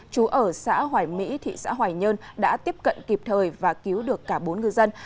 chú ở xã hoài mỹ thị xã hoài nhơn đã tiếp cận kịp thời và cứu được cả bốn ngư dân